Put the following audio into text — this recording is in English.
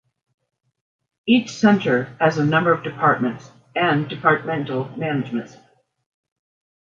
Each centre has a number of departments and departmental managements.